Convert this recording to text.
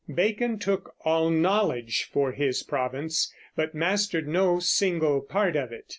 Bacon took all knowledge for his province, but mastered no single part of it.